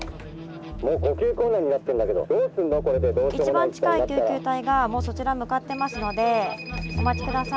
一番近い救急隊がもうそちら向かってますのでお待ち下さい。